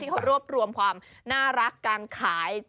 เขารวบรวมความน่ารักการขาย